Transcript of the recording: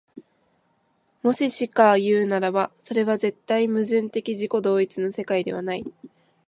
もししかいうならば、それは絶対矛盾的自己同一の世界ではない。